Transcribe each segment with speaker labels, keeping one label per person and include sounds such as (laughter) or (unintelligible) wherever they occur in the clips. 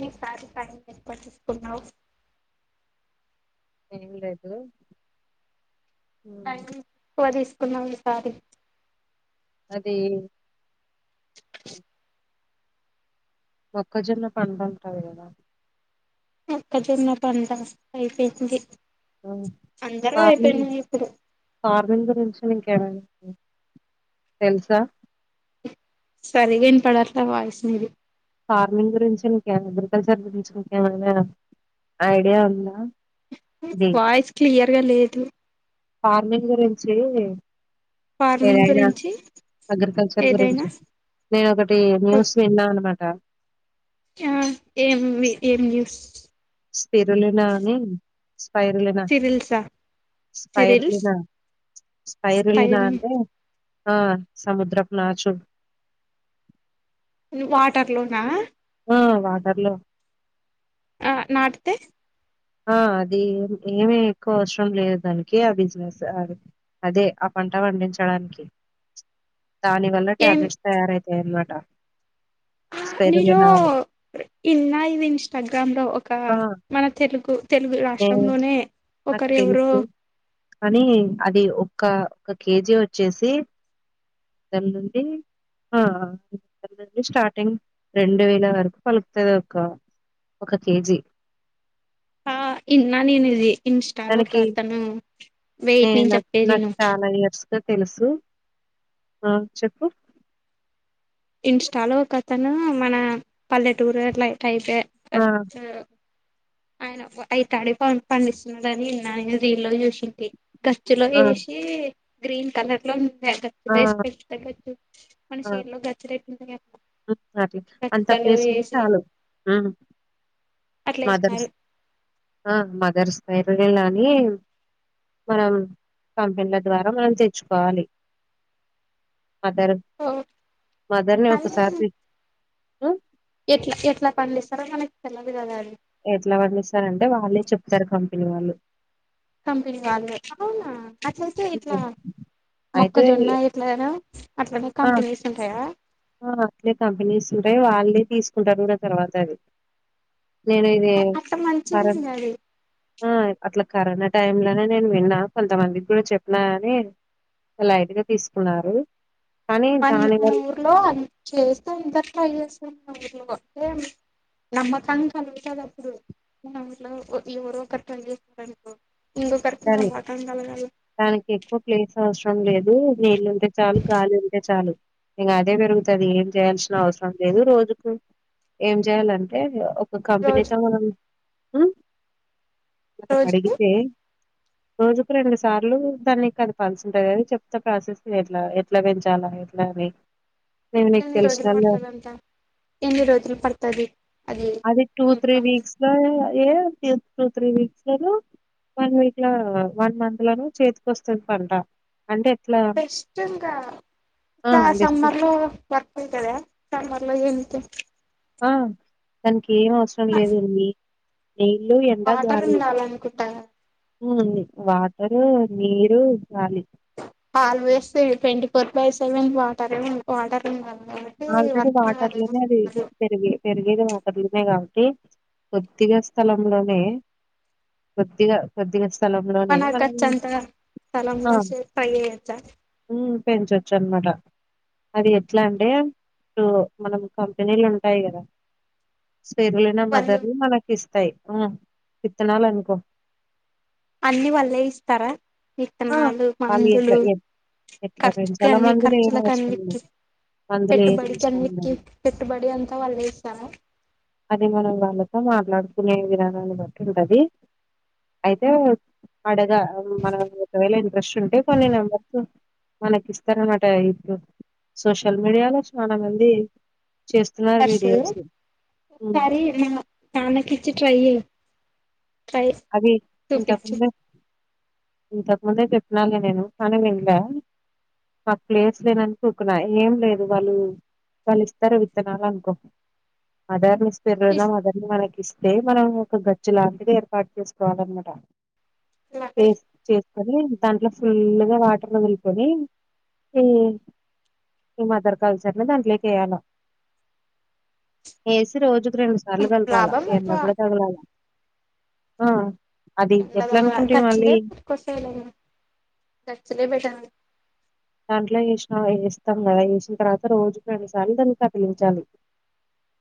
Speaker 1: మీ సారి ఫైన ఏర్పాటు చేసుకున్నావు
Speaker 2: ఏనల్ రా అతు
Speaker 1: అ పోది న్నా ఈసారి
Speaker 2: అదే మొక్కజొన్న పంటావద
Speaker 1: మొక్కజొన్నా పంట అయిపోయింది అందరూ
Speaker 2: ఫార్మింగ్
Speaker 1: అయిపోయినాయి ఇప్పుడు
Speaker 2: ఫార్మింగ్ గురించి నంకా ఎడా తెలుసా
Speaker 1: సరిగాన వినపడట్లే వాయిస్ మీది
Speaker 2: ఫార్మింగ్ గురించి ఇంకే అగ్రికల్చర్ గురించి ఇంకేమైనా ఐడియా ఉందా అది
Speaker 1: వాయిస్ క్లియర్ గా లేదు
Speaker 2: ఫార్మింగ్ గురించి
Speaker 1: ఫార్మింగ్
Speaker 2: ఏదైనా
Speaker 1: గురించి
Speaker 2: అగ్రికల్చర్
Speaker 1: ఏదైనా
Speaker 2: గురించి నేను ఒకటి న్యూస్ విన్నాను అనమాట క్క
Speaker 1: ఆ ఏమి ఏం న్యూస్
Speaker 2: స్థిరలు నాని స్పైరులినా
Speaker 1: సిరిల్సా సిరిల్స్
Speaker 2: స్పైరలినా స్పైరలినా
Speaker 1: స్టైల్
Speaker 2: అంటే ఆ సముద్రపున
Speaker 1: వాటర్ లోనా
Speaker 2: ఆ వాటర్లో
Speaker 1: ఆ నాటితే
Speaker 2: ఆ అది ఏమి ఎక్కువ అవసరం లేదు దానికి ఆ బిజినెస్ అదే ఆ పంట పండించడానికి దాని వల్ల టాబ్లెట్స్ తయారవుతాయి అన్నమాట
Speaker 1: మీరు
Speaker 2: అని
Speaker 1: ఇన్నా ఇ ఇన్స్టాగ్రామ్ లో ఒక
Speaker 2: ఆ
Speaker 1: మన తెలుగు తెలుగు
Speaker 2: నేను
Speaker 1: రాష్ట్రంలోనే
Speaker 2: నాకు
Speaker 1: ఒకరు ఎవరు
Speaker 2: తెలుసు కానీ అది ఒక ఒక కేజీ వచ్చేసి అల నుండి నుండి స్టార్టింగ్ రెండు వేల వరకు పలుకుతుంది ఒక ఒక కేజీ
Speaker 1: ఆ ఇన్నా నేనుజి ఇన్స్టాలో
Speaker 2: దానికి
Speaker 1: అతను వెయిట్నించి చెప్పేది నేను
Speaker 2: ఇకా తెలుసు చెప్పు
Speaker 1: ఇన్స్టాలో కథను మన పల్లెటూరు ఎట్లా టైతే అ
Speaker 2: ఆ
Speaker 1: ఆయన అయి తడే పండిస్తున్నడుని నిన్న ఆయన రీ లో చూసి ఖచ్చిలో
Speaker 2: ఆ
Speaker 1: వేసి గ్రీన్ కలర్ లో
Speaker 2: ఆ
Speaker 1: బేస్ (unintelligible) పెచ్చు (unintelligible) కానీ చీరలో గన్ రేటు ఉంటాయ
Speaker 2: అ అంత ప్లేస్
Speaker 1: వేసి
Speaker 2: చాలు మ్మ్
Speaker 1: అట్లా
Speaker 2: మదర్స్
Speaker 1: వేసినారు
Speaker 2: ఆ మదర్స్ ఎక్కడికి ఎల్లిన కానీ మనం కంపెనీల ద్వారా మనం తెచ్చుకోవాలి మదర్
Speaker 1: ఓ
Speaker 2: మదర్ ని ఒకసారి అ
Speaker 1: ఎట్లు ఎట్లా పనులుస్తారో మనకి తెల్వదు కదా
Speaker 2: ఎట్లా వనులు ఇస్తారంటే వాళ్ళే చెప్తారు కంపెనీ వాళ్ళు
Speaker 1: కంపెనీ వాళ్ళే అవునా అట్లయితే ఇట్లా
Speaker 2: హ్మ్. అయితే
Speaker 1: మొక్కజొన్న ఇట్లానా అట్లనే కంపెనీస్ ఉంటాయా
Speaker 2: ఆహా అట్లే కంపెనీస్ ఉంటాయి వాళ్ళే తీసుకుంటారు తర్వాత అది నేను ఇది
Speaker 1: అట్లా
Speaker 2: పర
Speaker 1: మంచిది అది
Speaker 2: ఆ అట్లా కరోనా టైమ్ లోనే నేను విన్నా కొంతమందికి కూడా చెప్పినగాని లైట్గా తీసుకున్నారు కానీ
Speaker 1: పని
Speaker 2: దాని
Speaker 1: ఆ
Speaker 2: వల్ల
Speaker 1: ఊర్లో చేస్తే ఇంత ట్రై చేస్తారు మా ఊర్లో అంటే నమ్మకం కలుగుతది అప్పుడు మా ఊర్లో ఎవరు ఒకరు ట్రై చేస్తారంటకో
Speaker 2: అని దానికి ఎక్కువ ప్లేస్ అవసరం లేదు నీళ్ళుంటే చాలు గాలి ఉంటే చాలు ఇంకా అదే పెరుగుతుది ఏం చేయాల్సిన అవసరం లేదు రోజుకు ఏం చేయాలంటే ఒక్
Speaker 1: రోజు
Speaker 2: కంపెనీతో మనం హ్మ్ నాకు
Speaker 1: రోజుకి
Speaker 2: అడిగితే రోజుకు రెండు సార్లు దాన్ని కదపాల్సి ఉంటది అది చెప్తా ప్రాసెస్ని ఎట్లా ఎట్లా పెంచాలా ఎట్లా అని మేము నీకు
Speaker 1: ఎన్ని రోజులు
Speaker 2: తెలిసినోళ్ళ
Speaker 1: పడతదంట ఎన్ని రోజులు పడతది అది
Speaker 2: టూ త్రీ
Speaker 1: యుద్ధం
Speaker 2: వీక్స్ లో ఏ త్రీ వీక్స్ వన్ వీక్ ఇట్లా వన్ మంత్ లోనూ చేతికిొస్తుంది పంట అంటే ఎట్లా
Speaker 1: బెస్ట్ ఇంకా ఆ సమ్మర్ లో వర్క్ ఉంటాదా సమ్మర్ అలా ఏతే
Speaker 2: ఆ దానికి ఏం అవసరం లేదండి నీళ్లు ఎండ
Speaker 1: వాటర్
Speaker 2: గాలి
Speaker 1: ఉండాలనుకుంటా కదా,
Speaker 2: హ్మ్మ్ వా ర్ నీరు గాాలి
Speaker 1: పాల్ వేస్తా twenty four by seven water water కాబట్టి
Speaker 2: ఆల్రెడీ
Speaker 1: వర్క్
Speaker 2: వాటర్
Speaker 1: అదేమో
Speaker 2: లోనే అది
Speaker 1: సమ్మర్లో
Speaker 2: పెరిగే పెరిగేది వాటర్ లోనే కా అ కొద్దిగా స్థలంలోనే కొద్దిగా కొద్దిగా స్థలంలోనే మనం
Speaker 1: మనకచ్చంత స్థలంలో ట్రై చేయొచ్చా
Speaker 2: పెంచవచ్చు అనమాట అది ఎట్లా అంటే ఇప్పుడు మనం కంపెనీలు ఉంటాయి కదా స్పెర్మ్ ను
Speaker 1: వాళ్ళు
Speaker 2: మదర్ ని మనకి ఇస్తాయి ఆ ఇత్తనాళ అనుకో
Speaker 1: అన్నిీ వాళ్లే ఇస్తారా
Speaker 2: ఆ!
Speaker 1: విత్తనాలు
Speaker 2: వాళ్ళు
Speaker 1: మందులు
Speaker 2: ఎట్లా ఎ ఎట్లా
Speaker 1: ఖర్చుకి
Speaker 2: పెంచాలో
Speaker 1: అన్ని
Speaker 2: మందులేం
Speaker 1: ఖర్చులలకు
Speaker 2: అవసరం లేదు.
Speaker 1: అన్నికి
Speaker 2: మందులేం
Speaker 1: పెట్టుబడికి
Speaker 2: అవసరం
Speaker 1: అన్నికి
Speaker 2: ఉండదు.
Speaker 1: పెట్టుబడి అంతా వాళ్లే ఇస్తార
Speaker 2: అది మనం వాళ్ళతో మాట్లాడుకునే విధానాన్ని బట్టి ఉంటది అయితే అడగా మనం ఒకవేళ ఇంట్రెస్ట్ ఉంటే కొన్ని నెంబర్స్ మనకి ఇస్తారన్నట ఇప్పుడు సోషల్ మీడియాలో చాలా మంది చేస్తున్నారు వీడియోస్ హ్మ్.
Speaker 1: సారి నన క ఇచ్చి ట్రై చే
Speaker 2: అదే ఇంతప్పు
Speaker 1: చూపించు
Speaker 2: ఇంత ముందే చెప్పినాల నేను కానీ వింకా ఆ ప్లేస్ లేనను చూకున్నా ఏం లేదు వాళ్ళు వాళ్ళు ఇస్తారో విత్తనాలు అనుకో అదర్ పెరుదం అదన్ని మనకి ఇస్తే మనం ఒక గచ్చు లాగా స్ార్ట్ చేసుకోవాలిన్నమాట చేస్ చేసుకొని దాంట్లో ఫుల్ గా వాటర్ వదులు కొని హ్మ్మ్ ఈ మదర్కల్చర్ నీ దాంట్లోకి వెయ్యాలి ఏసీ రోజు రెండు సార్లు కలపాలా
Speaker 1: లాభం
Speaker 2: ఎన్న
Speaker 1: లాభా
Speaker 2: కూడా తగలాల ఆ అది
Speaker 1: ఎ
Speaker 2: ఎట్లా అనుకుంటివి మళ్ళీ
Speaker 1: గచ్చలేస గచ్చలే పెట్ట
Speaker 2: దాంట్లో చేసిన వస్తాం కలా వసిన తర్వాత రోజుకు రెండుసార్లు దాన్ని కదిలించాలి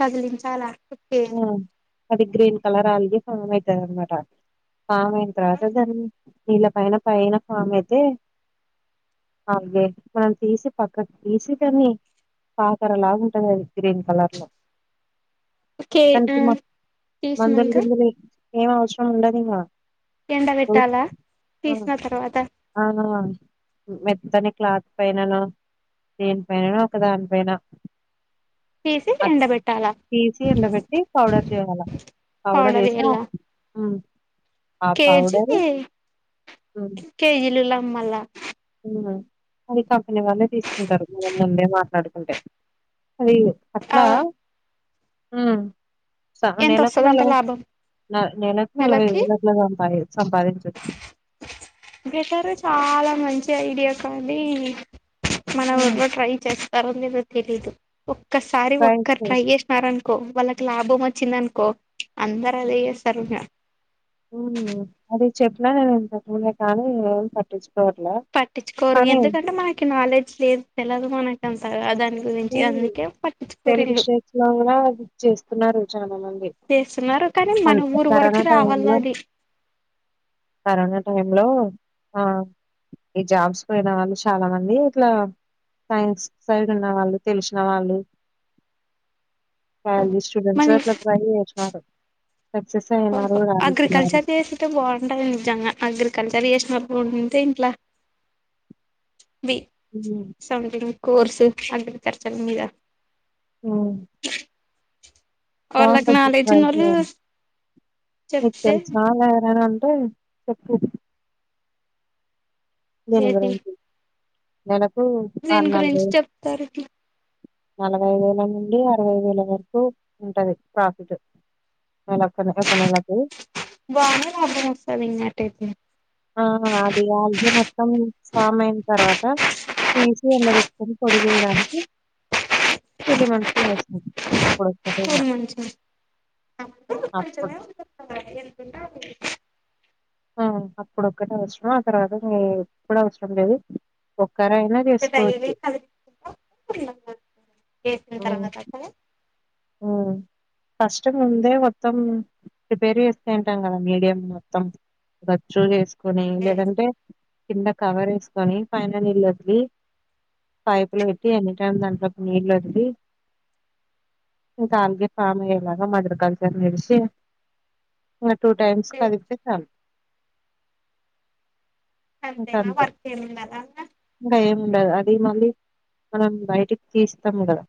Speaker 1: కదిలించాలా
Speaker 2: ఆ అది గ్రీన్ కలరా అండి. ఆ అయితయన్నమాట కా మేంత్ర అతజం నీళ్ళ పైన పైన ఫామ్ అయితే, ఆల్ గే మనం తీసి పక్కకు తీసి దాన్ని పాకరలాగ ఉంటుంది అది, గ్రీన్ కలర్ లో.
Speaker 1: కే ఆ
Speaker 2: తనకి మ మందులు
Speaker 1: తీసినంక
Speaker 2: కింద లే ఏం అవసరం ఉండదిగా
Speaker 1: ఎండబెట్టాలా తీసిన తర్వాత
Speaker 2: ఆహా మెత్తని క్లాత్ పైననో, దేని పైననో ఒక దాని పైన
Speaker 1: తీసి ఎండబెట్టాల.
Speaker 2: తీ ఎండ పెట్టి పౌడర్ చేయాల, పౌడర్ చేసా ఆ
Speaker 1: కేజీ
Speaker 2: పౌడరు
Speaker 1: లమ్మల
Speaker 2: ఆ అది కంపెనీ వాళ్ళే తీసుకుంటరు, మన ముందే మాట్లాడుకుంటే. అది
Speaker 1: ఆ
Speaker 2: అట్లా ఉమ్ సహ
Speaker 1: ఎంత
Speaker 2: నెలకు
Speaker 1: వస్తదంట
Speaker 2: నలభై,
Speaker 1: లాభం
Speaker 2: నే నెలకు నలభై
Speaker 1: నెలకి
Speaker 2: వేలట్ల సంపా సంపాదించవచ్చు.
Speaker 1: బెటరు చాలా మంచిగ ఐడియా కానీ మన ఊర్లో ట్రై చేస్ తరో లేదో తెలిదు ఒక్క సారి
Speaker 2: రైట్
Speaker 1: ఒక్కర్ ట్రై చేసినారంటే కో వాళ్ళకి లాభం వచ్చిందనుకో, అందరు అదే చేస్తారిగా.
Speaker 2: ఉహు అదే చెప్పిన కద ఇంతకుముందే ఆకానీ ఏ పట్టిచ్చు
Speaker 1: పట్టించుకోరు, ఎందుకంటే మనకి నాలెడ్జ్ లేదు తెలంగాణ దంత అదం
Speaker 2: అది తెలుగు స్టేట్స్ లో కూడా చేస్తున్నారు చాలా మంది.
Speaker 1: చేస్తున్నారు కానీ
Speaker 2: అ
Speaker 1: మన ఊరు వరకు
Speaker 2: కరోనా
Speaker 1: రావాల
Speaker 2: టైంలో,
Speaker 1: అది
Speaker 2: కరోనా టైంలో ఆ ఈ జాబ్స్ పోయిన వాళ్ళు చాలా మంది ఇట్లా, సైన్స్ సరిగా ఉన్న వాళ్ళు తెలిసిన వాళ్ళు (unintelligible) స్టూడెంట్స్
Speaker 1: మని
Speaker 2: అట్లా ట్రై చేసినారు. సక్సెస్ అయినారు రాణిస్తున్నారు
Speaker 1: అగ్రికల్చర్ చేసుంటే బాగుంటది నిజంగా. అగ్రిక కల్చర్ చేసినప్పు ఉండుంటే ఇంట్లా బి సంథింగ్ కోర్స్ అగ్రికల్చర్ మీద
Speaker 2: ఉమ్
Speaker 1: వాళ్ళకి
Speaker 2: బాగుంటది
Speaker 1: నాలెడ్జ్ ఉన్నోళ్ళు
Speaker 2: (unintelligible) నీకు
Speaker 1: చెప్తే
Speaker 2: తెలుసా (unintelligible) ఉమ్ చెప్పు దేన్ గురించి ననామ్
Speaker 1: దేన్ గురించి చెప్ తారు
Speaker 2: నలభై వేల నుండి అరవై వేల వరకు ఉంటది ప్రాఫిటు
Speaker 1: బానే లాబామ్ వస్తది ఇంగ అట్ట అయితే
Speaker 2: సామ్ అయిన తర్వాత తీసి ఎండబెట్టు కొనిపోడే చేయడానికి కూలి మనుషుల్ అవ్సరం
Speaker 1: మంచ్ ఎ
Speaker 2: అప్పుడు
Speaker 1: (unintelligible)
Speaker 2: ఆ అప్పుడొక్కటే అవసరం ఆ తర్వాత ఎ ఎప్పుడు అవసరం లేదు ఒక్కరైనా
Speaker 1: టే డైలీ
Speaker 2: చేసుకోవచ్చు.
Speaker 1: కమిష్ ఆ చేసిన్ తర్వాత అసల్
Speaker 2: ఉమ్ ఫస్ట్ ముందే మొత్తం ప్రిపేర్ చేస్తుంటాం కదా మీడియం మొత్తం వర్చ్ల ల్ చెస్ కొనీ ఏం లేదంటే కింద కవర్ వేసుకొని పైన నీళ్ళు వదిలి పైపు లో పెట్టి ఎనీ టైమ్ దాంట్లో నీళ్ళు వదిలి ఇంకా ఆల్ (unintelligible) ఫామ్ అయేలాగా మదర్ కల్చర్ ను ఈడ్చి మ్ టూ టైమ్స్ కలిపితే చాల్
Speaker 1: అంతేనా
Speaker 2: ఇంకంతే.
Speaker 1: వర్క్ ఏముందల లా
Speaker 2: ఉండదు అది మళ్ళీ మనం బయటికి తీస్తాం కదా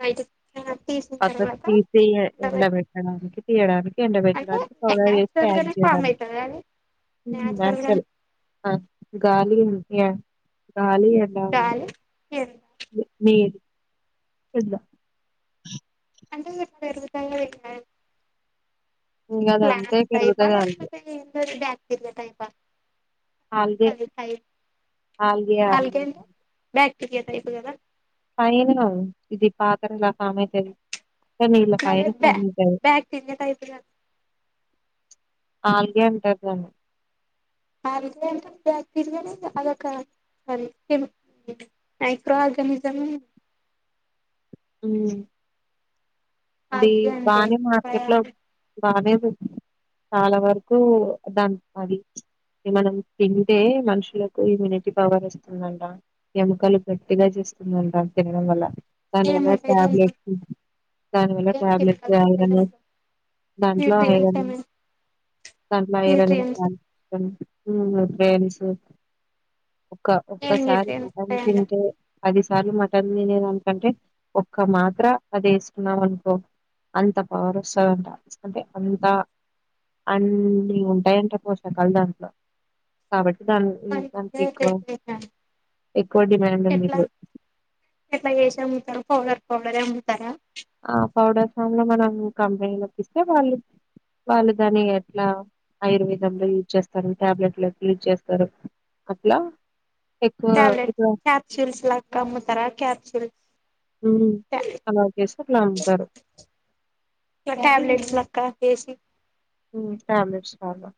Speaker 1: బయటికి తీసిన
Speaker 2: పక్కకు
Speaker 1: తర్వాత
Speaker 2: తీసియే ఎండ
Speaker 1: ఉండబెట్
Speaker 2: బెట్టడానికి తీయడానికి ఎండ
Speaker 1: అంటే
Speaker 2: బెట్టడానికి పౌడర్ చేసి
Speaker 1: న్యాచురల్
Speaker 2: ప్యాక్
Speaker 1: గానే ఫామ్
Speaker 2: చేయడానికి
Speaker 1: అయితది అది
Speaker 2: ఉమ్ న్యాచురల్ ఆ గాలి మ్ యా కాలి ఎలా ఉంది (unintelligible)
Speaker 1: ఏమ్
Speaker 2: మీరు ఇద్ గో
Speaker 1: అంటే పేరుగ్ తాయినో (unintelligible)
Speaker 2: ఇంగ అది అంతే
Speaker 1: ఫ్లాన్ టైప్ ఆ
Speaker 2: పెరుగుతది ఆల్గే
Speaker 1: లేకపోత్ ఇట్లా టయిపా
Speaker 2: algae algae algae
Speaker 1: ఇ (unintelligible) టైప్ కదా
Speaker 2: ఐనో ఇది పాతారీల్లా సామెత ఇద్ కానీ ఇలా
Speaker 1: మళ్ళ
Speaker 2: పైన
Speaker 1: బ్యా
Speaker 2: పగుల్ తది
Speaker 1: బ్యాక్టీరియా టైప్
Speaker 2: ఆల్ గే ఉంటదను (unintelligible)
Speaker 1: అల్ గే ఆంట్ బాక్టీరియా కాద్ అదొక మైక్రో ఆర్గానిజం
Speaker 2: హ్మ్ అంటే
Speaker 1: ఆల్గే అంటే
Speaker 2: బానే మార్కెట్ లో
Speaker 1: బయాలజీ
Speaker 2: బానే చాలా వరకు దాని అది మనం తింటే మనుషులకు ఇమ్యూనిటీ పవర్ వస్తుందంట ఎముకలు గట్టిగా చేస్తుందంట తినడం వల్ల దాని వల్ల
Speaker 1: ఏముంటాయి దాంట్లో
Speaker 2: టాబ్లెట్స్ దానివల్ల
Speaker 1: ఏం
Speaker 2: టాబ్లెట్స్
Speaker 1: కెమికల్స్ ఉంటాయి
Speaker 2: ఐరన్
Speaker 1: దాంట్లో
Speaker 2: దాంట్లో
Speaker 1: న్యూట్రియన్స్
Speaker 2: అయిరని
Speaker 1: ఏమి
Speaker 2: దాంట్లో అయిరని
Speaker 1: న్యూట్రియన్స్
Speaker 2: ప్రేమ్స్ ఒక్క
Speaker 1: ఏం
Speaker 2: ఒక్కసారి
Speaker 1: న్యూట్రియన్స్
Speaker 2: మటన్
Speaker 1: ఉంటాయండి
Speaker 2: తింటే పది సార్లు మటన్ తినేదానికంటే ఒక్క మాత్ర అది వే కున్నా అనుకో అంత పవర్ వస్తదంట అంటే అంత అన్నీ ఉంటాయంట పోషాకాలు దాంట్లో కాబట్టి దా దానికి
Speaker 1: మంచిగా
Speaker 2: ఎక్కువ ఎక్కువ డిమాండ్ ఉంది
Speaker 1: ఎట్లా
Speaker 2: ఇప్పుడు
Speaker 1: ఎట్లా చేసి అమ్ముతారు పౌడర్ పౌడర్ యే అమ్ముతారా
Speaker 2: ఆ పౌడర్ ఫమ్ లో మనం కంపెనీలోకి ఇస్తే వాళ్ళు వాళ్ళు దాన్ని ఎట్లా ఆయుర్వేదంలో యూజ్ చేస్తారు టాబ్లెట్లు ఎట్లా యూజ్ చేస్తారు అట్లా ఎక్కువ
Speaker 1: ట్యాబ్లెట్స్
Speaker 2: ఇట్లా
Speaker 1: క్యాప్సూల్స్ లా క అమ్ముతారా క్యాప్సూల్స్
Speaker 2: హ్మ్
Speaker 1: ఇట్లా
Speaker 2: అలా చేసి అట్లా ఉంటారు
Speaker 1: క్క కేసి
Speaker 2: హ్మ్ టాబ్లెట్స్ ప్రాబ్లమ్